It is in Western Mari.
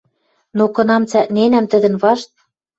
Но кынам цӓкненӓм тӹдӹн вашт